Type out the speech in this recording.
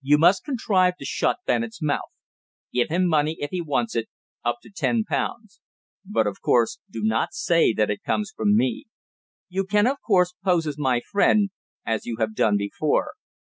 You must contrive to shut Bennett's mouth. Give him money, if he wants it up to ten pounds. But, of course, do not say that it comes from me. You can, of course, pose as my friend, as you have done before.